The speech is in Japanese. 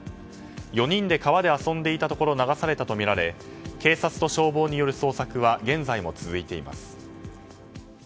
４人で川で遊んでいたところ流されたとみられ警察と消防による捜索は現在も続いています。